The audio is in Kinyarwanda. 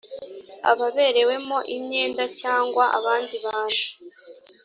ababerewemo imyenda cyangwa abandi bantu